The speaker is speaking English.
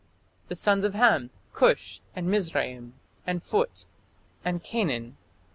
The sons of Ham: Cush, and Mizraim, and Phut, and Canaan....